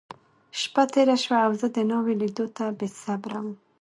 شپه تېره شوه، او زه د ناوې لیدو ته بېصبره وم.